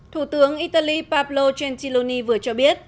thủ tướng italy pablo gentiloni vừa cho biết